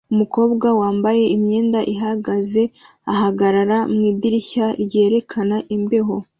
Umukobwa wambaye imyenda ihagaze ahagarara mwidirishya ryerekana imbeho